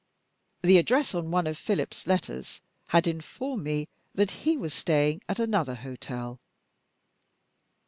The address on one of Philip's letters had informed me that he was staying at another hotel.